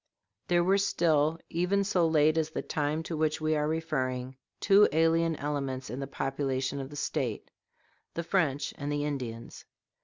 ] There were still, even so late as the time to which we are referring, two alien elements in the population of the State the French and the Indians.